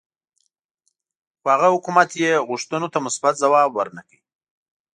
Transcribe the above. خو هغه حکومت یې غوښتنو ته مثبت ځواب ورنه کړ.